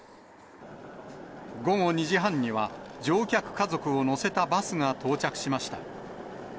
午後２時半には、乗客家族を乗せたバスが到着しました。